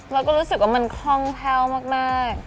แล้วก็รู้สึกว่ามันคล่องแคล่วมาก